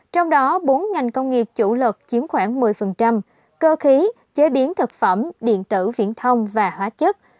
trong đó bốn ngành công nghiệp chủ lực chiếm khoảng một mươi cơ khí chế biến thực phẩm điện tử viễn thông và hóa chất